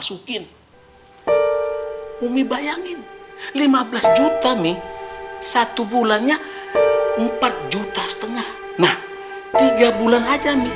masukin umi bayangin lima belas juta nih satu bulannya empat juta setengah nah tiga bulan aja nih